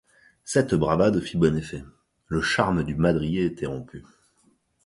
Cette bravade fit bon effet, le charme du madrier était rompu.